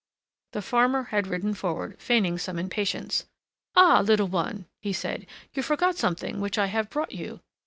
The farmer had ridden forward, feigning some impatience. "Ah! little one," he said, "you forgot something which I have brought you."